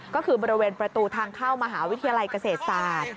ก็คือบริเวณประตูทางเข้ามหาวิทยาลัยเกษตรศาสตร์